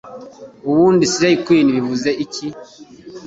Ubundi Slay Queen bivuze icyi